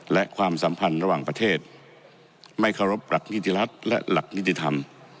และความสัมพันธ์ระหว่างประเทศไม่เคารพหลักนิติรัฐและหลักนิติธรรม